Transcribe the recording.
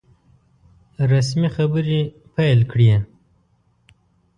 رسمي خبري پیل کړې.